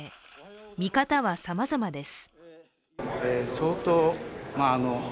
見方はさまざまです。